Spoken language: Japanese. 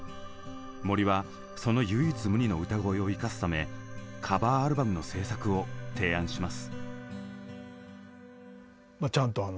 森はその唯一無二の歌声を生かすためカバーアルバムの制作を提案します。